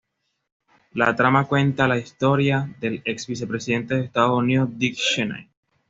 La trama cuenta la historia del ex vicepresidente de Estados Unidos Dick Cheney.